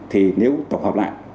thì nếu tổng hợp lại